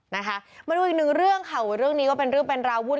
นะคะมาดูอีกหนึ่งเรื่องค่ะเรื่องนี้ก็เป็นเรื่องเป็นราวุ่น